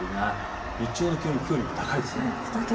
日中の気温きょうよりも高いです。